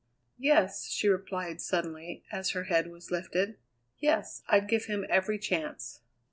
"Yes," she replied suddenly, as her head was lifted; "yes, I'd give him every chance."